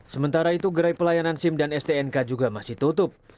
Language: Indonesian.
sementara itu gerai pelayanan sim dan stnk juga masih tutup